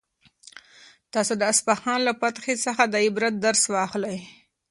تاسو د اصفهان له فتحې څخه د عبرت درس واخلئ.